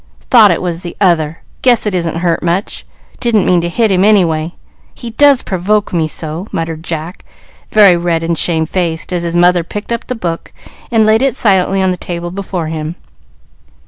"Thought it was the other. Guess it isn't hurt much. Didn't mean to hit him, any way. He does provoke me so," muttered Jack, very red and shamefaced as his mother picked up the book and laid it silently on the table before him.